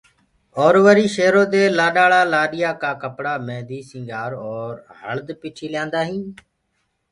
اور وري شيرو دي لآڏآݪآ لآڏيآ ڪآ ڪپڙآ، ميدي، سنگھآر اور هݪد پِٺي ليآندآ هينٚ